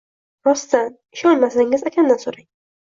Rostdan. Ishonmasangiz, akamdan so'rang.